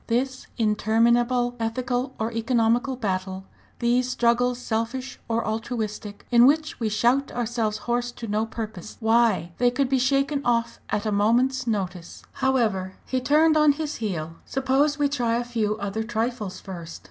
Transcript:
This interminable ethical or economical battle, these struggles selfish or altruistic, in which we shout ourselves hoarse to no purpose why! they could be shaken off at a moment's notice! "However" he turned on his heel "suppose we try a few other trifles first.